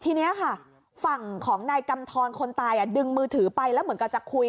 ทีนี้ค่ะฝั่งของนายกำทรคนตายดึงมือถือไปแล้วเหมือนกับจะคุย